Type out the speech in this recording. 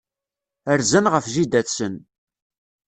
Rzan ɣef jida-tsen.